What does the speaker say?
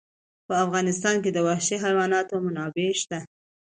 په افغانستان کې د وحشي حیوانات منابع شته.